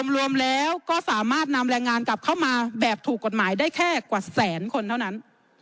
รวมแล้วก็สามารถนำแรงงานกลับเข้ามาแบบถูกกฎหมายได้แค่กว่าแสนคนเท่านั้น